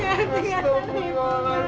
apa ini si farna